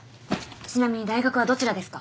ちなみに大学はどちらですか？